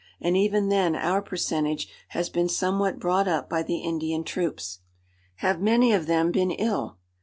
And even then our percentage has been somewhat brought up by the Indian troops." "Have many of them been ill?"